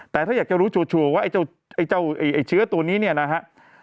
แต่ถ้าอยากจะรู้ชัวร์ว่าเชื้อตัวนี้เนี่ยนะฮะ